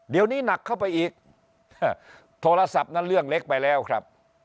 เดี๋ยวนี้หนักเข้าไปอีกโทรศัพท์นั้นเรื่องเล็กไปแล้วครับ